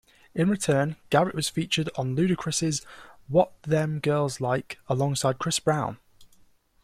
In return, Garrett was featured on Ludacris's "What Them Girls Like", alongside Chris Brown.